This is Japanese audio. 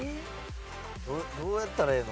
どうやったらええの？